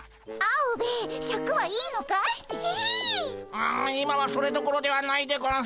うん今はそれどころではないでゴンス。